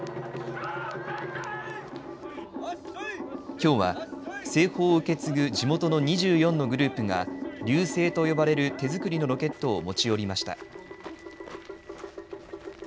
きょうは、製法を受け継ぐ地元の２４のグループが龍勢と呼ばれる手作りのロケットを持ち寄りました。